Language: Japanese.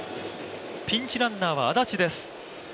ピンチランナーは安達です。